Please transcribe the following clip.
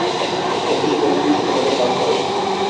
অতিশয় জঘন্য ছিল তাদের কাজ-কারবার।